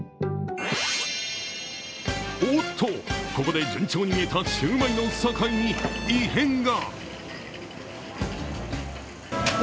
おっと、ここで順調に見えたシューマイのさかいに異変が。